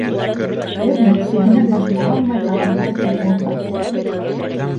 Бер нәфсеһенә баш булалмай харап булды ул да.